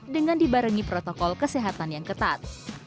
dengan dibarengi protokol kesehatan yang ketat